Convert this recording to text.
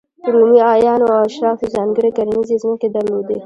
رومي اعیانو او اشرافو ځانګړې کرنیزې ځمکې درلودې.